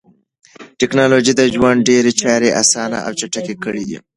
ټکنالوژي د ژوند ډېری چارې اسانه او چټکې کړې دي.